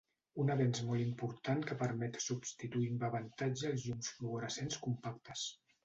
Un avenç molt important que permet substituir amb avantatge els llums fluorescents compactes.